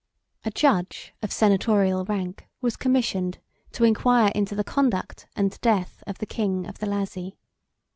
A judge of senatorial rank was commissioned to inquire into the conduct and death of the king of the Lazi.